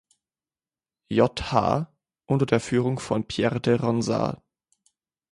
Jh, unter der Führung von Pierre de Ronsard.